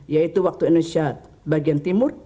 yaitu waktu indonesia bagian timur